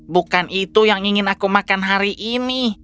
bukan itu yang ingin aku makan hari ini